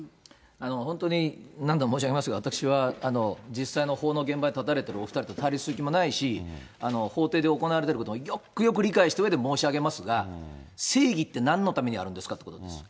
本当に何度も申し上げますが、私は実際の法の現場に立たれているお２人と対立する気もないし、法廷で行われていることもよくよく理解したうえで申し上げますが、正義ってなんのためにあるんですかということです。